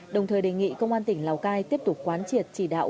đồng thời đề nghị công an tỉnh lào cai tiếp tục quán triệt chỉ đạo